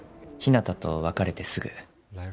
ひなたと別れてすぐ。